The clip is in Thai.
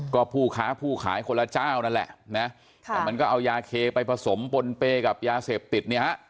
ก็ผู้ค้าผู้ขายคนละเจ้านั่นแหละนะแต่มันก็เอายาเคไปผสมปนเปย์กับยาเสพติดเนี่ยฮะ